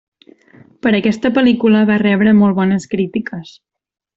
Per aquesta pel·lícula va rebre molt bones crítiques.